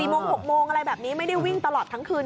โมง๖โมงอะไรแบบนี้ไม่ได้วิ่งตลอดทั้งคืน